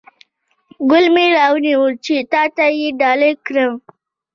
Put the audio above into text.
ګل مې را نیولی چې تاته یې ډالۍ کړم